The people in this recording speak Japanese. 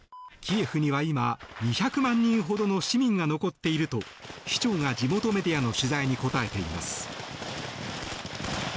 キエフには今２００万人ほどの市民が残っていると市長が地元メディアの取材に答えています。